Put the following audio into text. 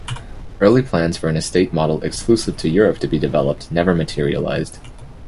Early plans for an estate model exclusive to Europe to be developed never materialised.